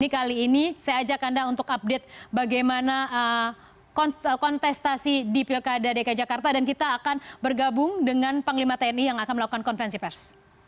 jadi kali ini saya ajak anda untuk update bagaimana kontestasi di pilkada dki jakarta dan kita akan bergabung dengan panglima tni yang akan melakukan konfensi pers